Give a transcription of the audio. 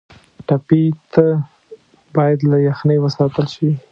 ټپي ته باید له یخنۍ وساتل شي.